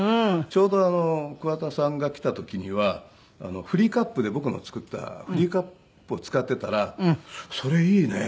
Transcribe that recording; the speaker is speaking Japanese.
ちょうど桑田さんが来た時にはフリーカップで僕の作ったフリーカップを使っていたら「それいいね。